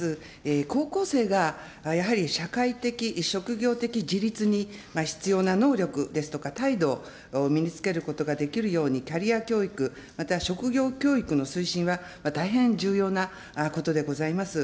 高校生がやはり社会的、職業的自立に必要な能力ですとか、態度を身に着けることができるように、キャリア教育、また職業教育の推進は大変重要なことでございます。